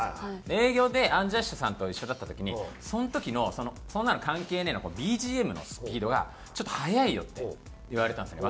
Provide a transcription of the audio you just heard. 営業でアンジャッシュさんと一緒だった時にその時の「そんなの関係ねえ」のＢＧＭのスピードがちょっと速いよって言われたんですね